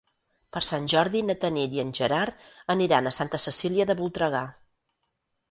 Per Sant Jordi na Tanit i en Gerard aniran a Santa Cecília de Voltregà.